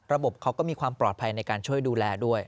เขาก็มีความปลอดภัยในการช่วยดูแลด้วย